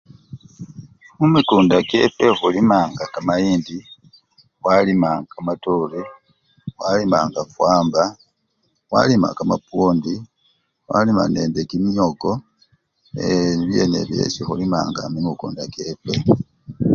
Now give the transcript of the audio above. Mumikunda kyefwe khulimanga kamayindi, khwalima kamatore, khwalima fwamba, khwalima kamapwondi khwalima nende kimioko yee! byenebyo esii khulimanga mumikunda kyefwe.